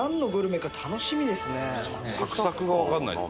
「サクサク」がわからないな。